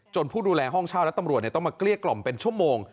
ผู้ดูแลห้องเช่าและตำรวจต้องมาเกลี้ยกล่อมเป็นชั่วโมง